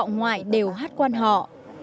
bà ngoại của cụ là nghệ nhân quán họ nức tiếng của làng